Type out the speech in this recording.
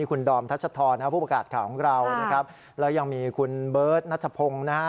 คุณดอมทัชธอผู้ประกาศของเรายังมีคุณเบิร์ตณัชพงศ์